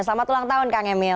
selamat ulang tahun kang emil